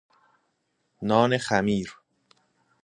نان خمیر